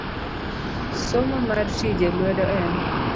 Somo mar tije lwedo en